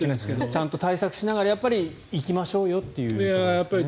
ちゃんと対策しながら行きましょうということですね。